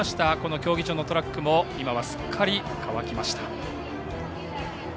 競技場のトラックも今は、すっかり乾きました。